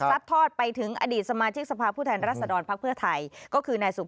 ซัดทอดไปถึงอดีตสมาชิกสภาพผู้แทนรัศดรพเพื่อไทย